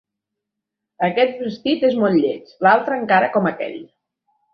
Aquest vestit és molt lleig; l'altre encara com aquell.